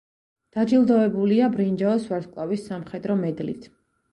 დაჯილდოებულია ბრინჯაოს ვარსკვლავის სამხედრო მედლით.